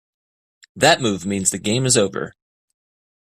That move means the game is over.